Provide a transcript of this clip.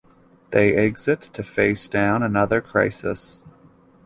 They exit to face down another crisis.